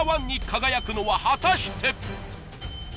Ｎｏ．１に輝くのは果たして？